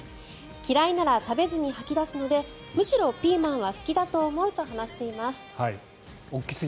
嫌いなら食べずに吐き出すのでむしろピーマンは好きだと思うと話しています。